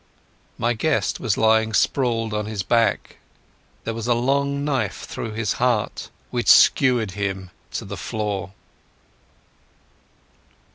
My guest was lying sprawled on his back. There was a long knife through his heart which skewered him to the floor.